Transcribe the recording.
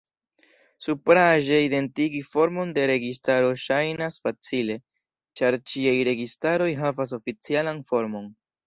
Supraĵe, identigi formon de registaro ŝajnas facile, ĉar ĉiaj registaroj havas oficialan formon.